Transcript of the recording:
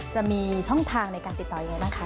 จะมีช่องทางในการติดต่อยังไงบ้างคะ